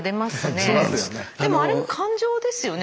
でもあれも感情ですよね？